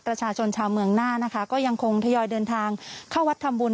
ประชาชนชาวเมืองหน้านะคะก็ยังคงทยอยเดินทางเข้าวัดทำบุญ